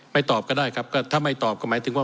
ตอบก็ได้ครับก็ถ้าไม่ตอบก็หมายถึงว่า